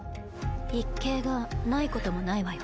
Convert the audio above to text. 一計がないこともないわよ。